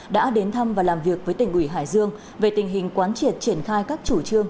đã đến thăm và làm việc với tỉnh ủy hải dương về tình hình quán triệt triển khai các chủ trương